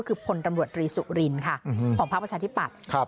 คือพรรีสุรินของภาคประชาธิปัตย์